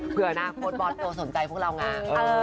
เพื่อนาคตบอดโตสนใจพวกเราง่า